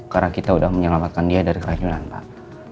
karena kita sudah menyelamatkan dia dari kelanjuran pak